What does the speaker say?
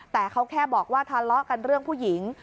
แต่เขาแค่บอกว่าทะเลาะกันเรื่องผู้หญิง